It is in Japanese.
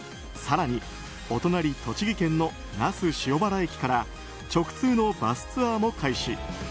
更に、お隣栃木県の那須塩原駅から直通のバスツアーも開始。